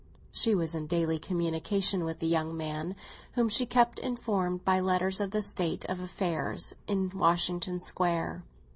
She was in daily communication with the young man, whom she kept informed by letters of the state of affairs in Washington Square.